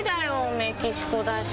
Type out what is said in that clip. メキシコだし。